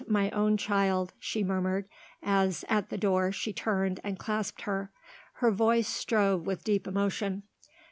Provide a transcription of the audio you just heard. my own child!" she murmured, as, at the door, she turned and clasped her. Her voice strove with deep emotion.